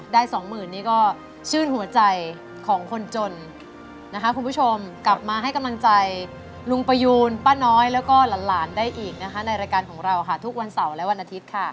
สองหมื่นนี่ก็ชื่นหัวใจของคนจนนะคะคุณผู้ชมกลับมาให้กำลังใจลุงประยูนป้าน้อยแล้วก็หลานได้อีกนะคะในรายการของเราค่ะทุกวันเสาร์และวันอาทิตย์ค่ะ